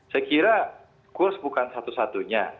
saya kira kurs bukan satu satunya